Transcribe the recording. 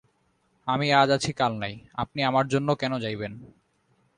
আমি আজ আছি কাল নাই, আপনি আমার জন্যে কেন যাইবেন।